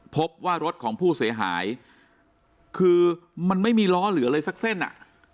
พบว่ารถของผู้เสียหายคือมันไม่มีล้อเหลืออะไรสักเส้นอ่ะ